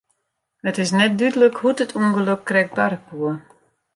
It is net dúdlik hoe't it ûngelok krekt barre koe.